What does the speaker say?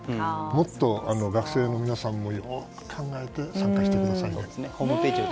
もっと学生の皆さんもよく考えて参加してください。